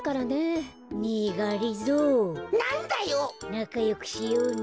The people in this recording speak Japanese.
なかよくしようね。